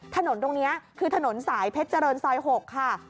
ถนนตรงนี้คือถนนสายเพชรเจริญซอย๖ค่ะ